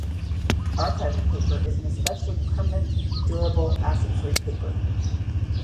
Archival paper is an especially permanent, durable acid-free paper.